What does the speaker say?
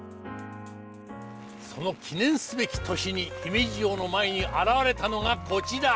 その記念すべき年に姫路城の前に現れたのがこちら！